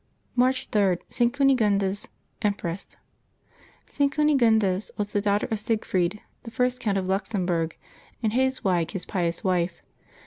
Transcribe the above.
March s—ST. CUNEGUNDES, Empress. [t. Cuxegundes was the daughter of Siegfried, the first Count of Luxemburg, and Hadeswige, his pious wife.